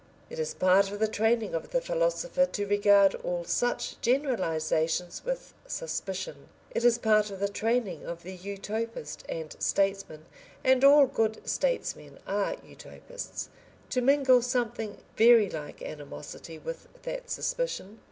It is part of the training of the philosopher to regard all such generalisations with suspicion; it is part of the training of the Utopist and statesman, and all good statesmen are Utopists, to mingle something very like animosity with that suspicion.